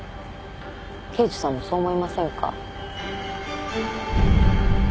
刑事さんもそう思いませんか？